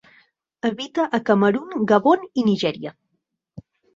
Habita a Camerun, Gabon i Nigèria.